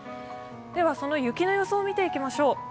その雪の予想を見ていきましょう。